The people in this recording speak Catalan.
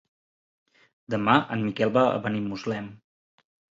Demà en Miquel va a Benimuslem.